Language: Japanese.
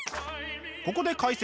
ここで解説。